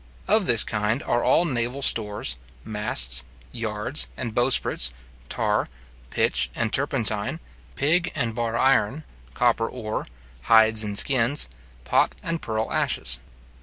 Of this kind are all naval stores, masts, yards, and bowsprits, tar, pitch, and turpentine, pig and bar iron, copper ore, hides and skins, pot and pearl ashes.